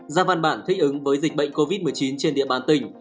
ra văn bản thích ứng với dịch bệnh covid một mươi chín trên địa bàn tỉnh